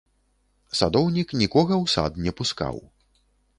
Садоўнік нікога ў сад не пускаў.